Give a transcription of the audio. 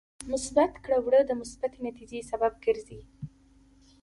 مثبت کړه وړه د مثبتې نتیجې سبب ګرځي.